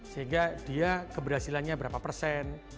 sehingga dia keberhasilannya berapa persen